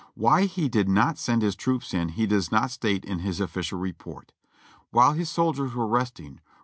Why he did not send his troops in, he does not state in his ofifi cial report. While his soldiers w^ere resting.